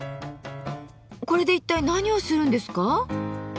これで一体何をするんですか？